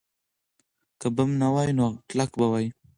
که بم نه وای، نو کلک به وای.